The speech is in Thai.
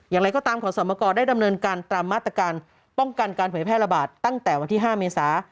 อย่างไรก็ตามขอสมกรได้ดำเนินการตามมาตรการป้องกันการเผยแพร่ระบาดตั้งแต่วันที่๕เมษา